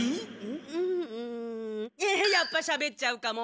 うんやっぱしゃべっちゃうかも。